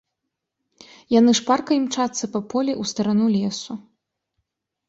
Яны шпарка імчацца па полі ў старану лесу.